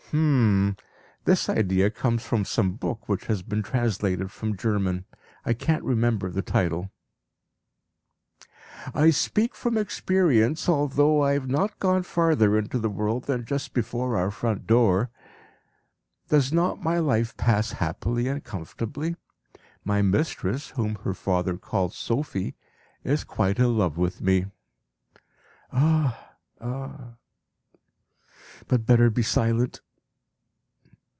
(H'm! This idea comes from some book which has been translated from German. I can't remember the title.) "I speak from experience, although I have not gone farther into the world than just before our front door. Does not my life pass happily and comfortably? My mistress, whom her father calls Sophie, is quite in love with me." (Ah! Ah! but better be silent!)